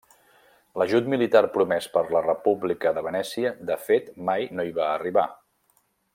L'ajut militar promès per la República de Venècia de fet mai no hi va arribar.